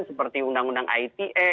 seperti undang undang ite